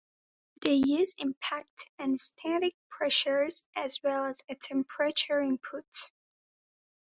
They use impact and static pressures as well as a temperature input.